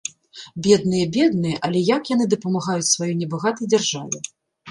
Бедныя-бедныя, але як яны дапамагаюць сваёй небагатай дзяржаве!